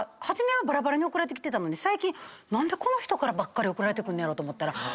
初めはバラバラに送られてきてたのに最近何でこの人からばっかり送られてくんねやろと思ったら。